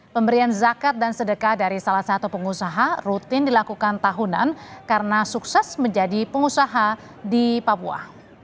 pemberian zakat dan sedekah dari salah satu pengusaha rutin dilakukan tahunan karena sukses menjadi pengusaha di papua